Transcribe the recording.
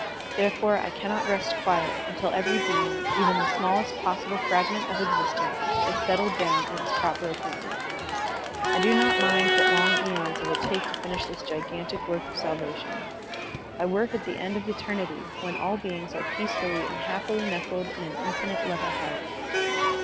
There fore I cannot rest quiet, tmtil every being, even the smallest possible fragment of existence, is settled down in its proper appointment. I do not mind what long eons it will take to finish this gigantic work of salvation. I work at the end of eternity when all beings are peacefully and happily nestled in an infinite loving heart."